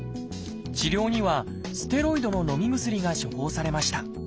治療にはステロイドののみ薬が処方されました。